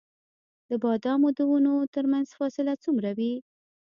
د بادامو د ونو ترمنځ فاصله څومره وي؟